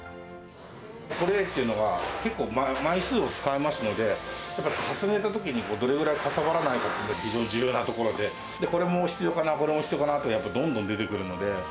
トレーっていうのが、結構、枚数を使いますので、重ねたときに、どれぐらいかさばらないかっていうのが、非常に重要なところで、これも必要かな、これも必要かなというのが、どんどん出てくるので。